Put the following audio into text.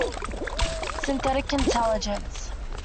Synthetic Intelligence.